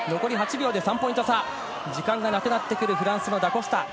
３ポイント差、時間がなくなってくるフランスのダ・コスタ。